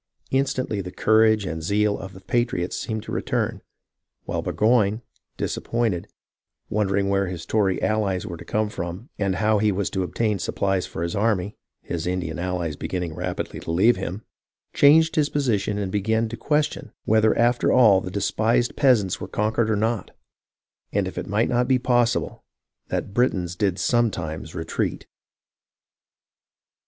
Instantly the courage and zeal of the patriots seemed to return ; while Burgoyne, disappointed, wondering where his Tory allies were to come from and how he was to obtain supplies for his army, — his Indian allies beginning rapidly to leave him, — changed his position and began to question whether after all the despised peasants were conquered or not, and if it might not be possible that Britons did sometimes retreat.